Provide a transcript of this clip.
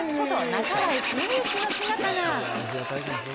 半井重幸の姿が。